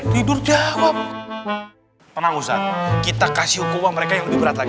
tidur jawab penanggusan kita kasih hukuman mereka yang lebih berat lagi